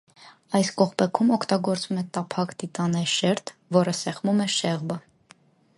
Այս կողպեքում օգտագործվում է տափակ տիտանե շերտ, որը սեղմում է շեղբը։